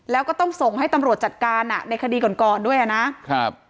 แล้วก็ต้องส่งให้ตำรวจจัดการอ่ะในคดีก่อนก่อนด้วยอ่ะนะครับ